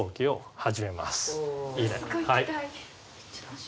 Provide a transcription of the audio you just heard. はい。